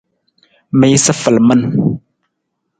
Miisa falaman.